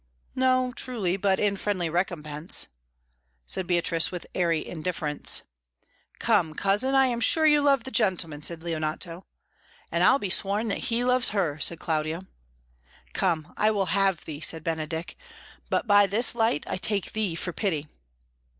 "No, truly, but in friendly recompense," said Beatrice, with airy indifference. "Come, cousin, I am sure you love the gentleman," said Leonato. "And I'll be sworn that he loves her," said Claudio. "Come, I will have thee," said Benedick. "But by this light I take thee for pity."